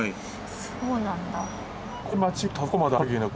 そうなんだ。